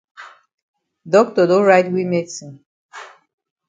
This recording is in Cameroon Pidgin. Doctor don write we medicine dem.